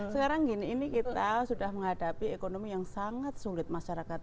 sekarang gini ini kita sudah menghadapi ekonomi yang sangat sulit masyarakat